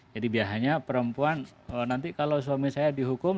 jadi biasanya perempuan nanti kalau suami saya dihukum